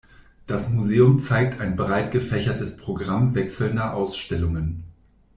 Das Museum zeigt ein breit gefächertes Programm wechselnder Ausstellungen.